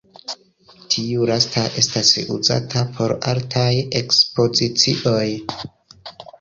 Tiu lasta estas uzata por artaj ekspozicioj.